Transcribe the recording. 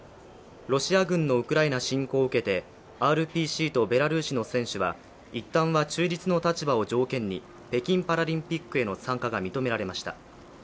ロシア軍のウクライナ侵攻を受けて、ＲＰＣとベラルーシの選手はいったんは中立の立場を条件に北京パラリンピックへの参加が認められました。